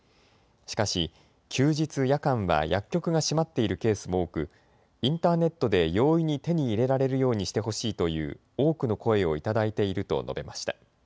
しかし休日、夜間は薬局が閉まっているケースも多くインターネットで容易に手に入れられるようにしてほしいという多くの声をいただいていると述べました。